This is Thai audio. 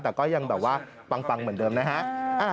แต่ก็ยังแบบว่าปังเหมือนเดิมนะฮะ